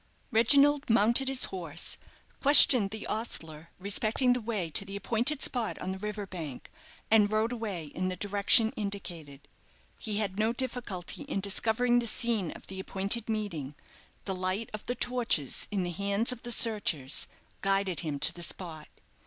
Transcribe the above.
Reginald mounted his horse, questioned the ostler respecting the way to the appointed spot on the river bank, and rode away in the direction indicated. He had no difficulty in discovering the scene of the appointed meeting. The light of the torches in the hands of the searchers guided him to the spot.